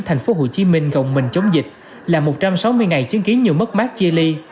tp hcm gọng mình chống dịch là một trăm sáu mươi ngày chứng kiến nhiều mất mát chia ly